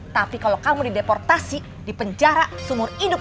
tapi kalau kamu dideportasi dipenjara seumur hidup